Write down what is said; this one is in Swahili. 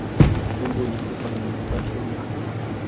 Wimbo ulikuwa nafasi Na.